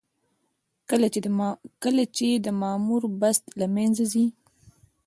کله چې د مامور بست له منځه ځي.